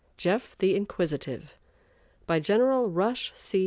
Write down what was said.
JEFF THE INQUISITIVE By General Rush C.